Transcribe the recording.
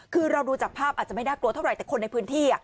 คือเราดูจากภาพอาจจะไม่น่ากลัวเท่าไหร่แต่คนในพื้นที่